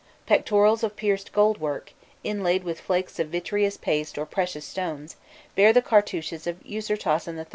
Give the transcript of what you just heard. Pectorals of pierced gold work, inlaid with flakes of vitreous paste or precious stones, bear the cartouches of Usirtasen III.